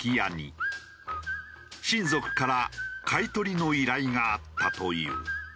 親族から買い取りの依頼があったという。